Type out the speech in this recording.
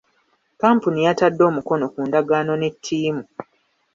Kkampuni yatadde omukono ku ndagaano ne ttiimu.